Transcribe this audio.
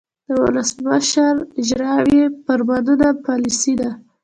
د ولسمشر اجراییوي فرمانونه پالیسي ده.